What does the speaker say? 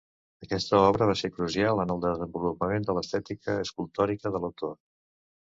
Aquesta obra va ser crucial en el desenvolupament de l'estètica escultòrica de l'autor.